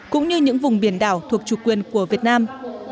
cũng như những vùng biển đảo thuộc chủ quyền của việt nam